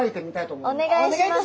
お願いいたします。